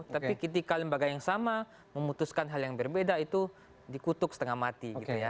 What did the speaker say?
tapi ketika lembaga yang sama memutuskan hal yang berbeda itu dikutuk setengah mati gitu ya